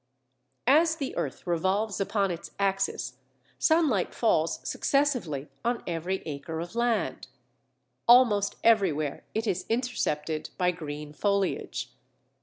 As the earth revolves upon its axis, sunlight falls successively on every acre of land. Almost everywhere it is intercepted by green foliage.